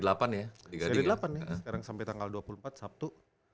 seri delapan nih sekarang sampai tanggal dua puluh empat sabtu